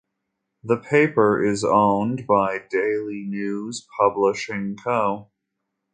The paper is owned by Daily News Publishing Co.